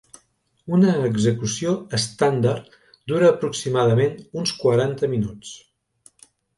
Una execució estàndard dura aproximadament uns quaranta minuts.